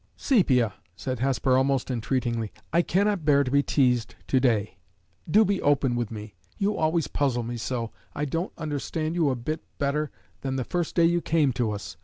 "Sepia!" said Hesper, almost entreatingly, "I can not bear to be teased to day. Do be open with me. You always puzzle me so! I don't understand you a bit better than the first day you came to us.